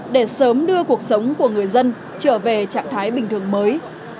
để sớm đưa cuộc sống của người dân trở về trạng thái bình thường mới